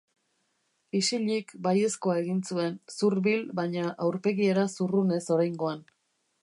Isilik baiezkoa egin zuen, zurbil, baina aurpegiera zurrunez oraingoan.